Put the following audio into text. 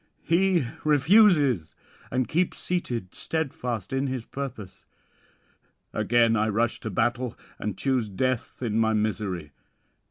He refuses, and keeps seated steadfast in his purpose. Again I rush to battle, and choose death in my misery.